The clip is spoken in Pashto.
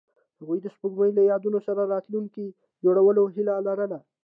هغوی د سپوږمۍ له یادونو سره راتلونکی جوړولو هیله لرله.